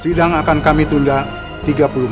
sidang akan kami tunda tiga puluh menit